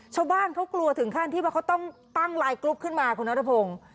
ชาวบ้านเขากลัวถึงขั้นที่ว่าเขาต้องตั้งไลน์กรุ๊ปขึ้นมาคุณนัทพงศ์